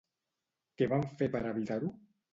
Què van fer per evitar-ho?